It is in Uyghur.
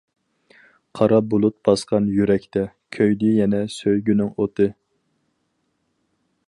قارا بۇلۇت باسقان يۈرەكتە، كۆيدى يەنە سۆيگۈنىڭ ئوتى.